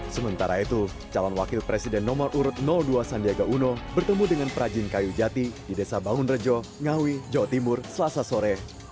sementara itu calon wakil presiden nomor urut dua sandiaga uno bertemu dengan perajin kayu jati di desa bangunrejo ngawi jawa timur selasa sore